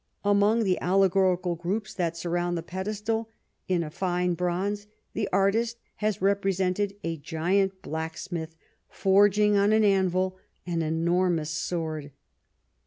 Among the alle gorical groups that surmount the pedestal, in a fine bronze, the artist has represented a giant blacksmith, forging on an anvil an enormous sword.